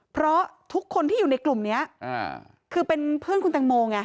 เพราะทุกคนที่อยู่ในกลุ่มนี้คือเป็นเพื่อนคุณแตงโมไง